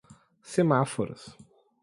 semáforos